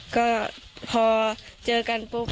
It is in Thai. ก็พอเจอกันปุ๊บ